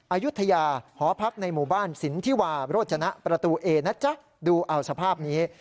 อายุทยาหอพักในหมู่บ้านสินทิวาโรจนะประตูเอนะจ๊ะดูเอาสภาพนี้